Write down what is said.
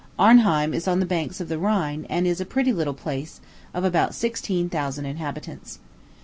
Arnheim is on the banks of the Rhine, and is a pretty little place, of about sixteen thousand inhabitants.